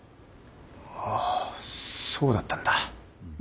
ああそうだったんだ。